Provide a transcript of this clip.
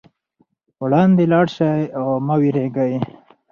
وړاندې لاړ شئ او مه وېرېږئ.